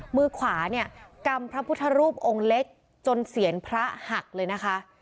มือขวาเนี่ยกำพระพุทธรูปองค์เล็กจนเสียนพระหักเลยนะคะ